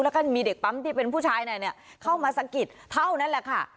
แล้วก็มีเด็กปั๊มที่เป็นผู้ชายเข้ามาสะกิดเท่านั้นแหละค่ะ